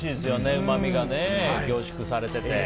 うまみが凝縮されていて。